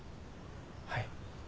はい。